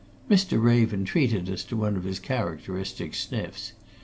Mr. Raven treated us to one of his characteristic sniffs.